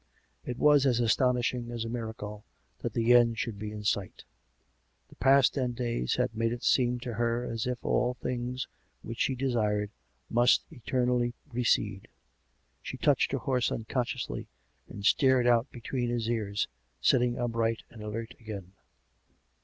It was as astonishing as a miracle that the end should be in sight; the past ten days had made it seem to her as if all things which she desired must eternally recede. ... She touched her horse unconsciously, and stared out between his ears, sitting up right and alert again.